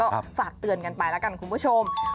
ก็ฝากเตือนกันไปแล้วกันคุณผู้ชม